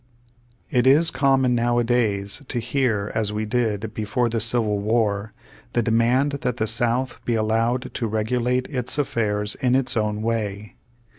It is common nowadays to hear, as we did be fore the Civil War, the demand that the South be allowed to regulate its affairs in its own way.